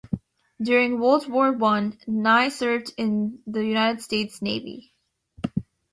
During World War One, Nye served in the United States Navy.